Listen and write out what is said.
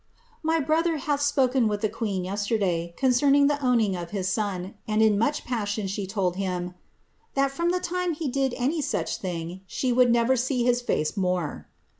" My brother hath spoken with the queen yeiterdaj, concerning the owning of his son, and in much pnssion she told biin ' that, from the time he did any such thing, she would never see his face more.'